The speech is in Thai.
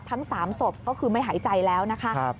ทั้ง๓ศพก็คือไม่หายใจแล้วนะคะ